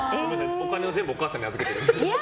お金は全部お母さんに預けてますから。